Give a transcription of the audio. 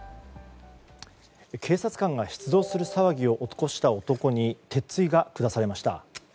警察官が出動する騒ぎを起こした男に鉄槌が下されました。